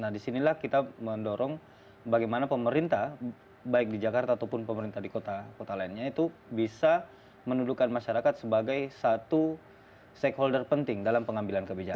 nah disinilah kita mendorong bagaimana pemerintah baik di jakarta ataupun pemerintah di kota kota lainnya itu bisa menuduhkan masyarakat sebagai satu stakeholder penting dalam pengambilan kebijakan